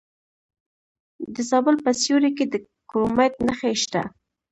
د زابل په سیوري کې د کرومایټ نښې شته.